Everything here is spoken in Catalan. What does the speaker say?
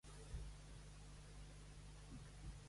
Em dic Elisa Palomeque: pe, a, ela, o, ema, e, cu, u, e.